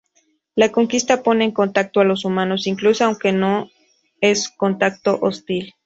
La conquista pone en contacto a los humanos, incluso aunque es un contacto hostil.